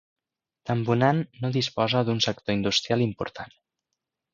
Tambunan no disposa d'un sector industrial important.